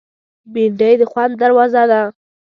بېنډۍ د خوند دروازه ده